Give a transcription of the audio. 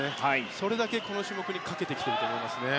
それだけこの種目にかけてきていると思いますね。